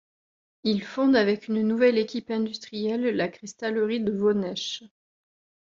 Il fonde avec une nouvelle équipe industrielle la Cristallerie de Vonêche.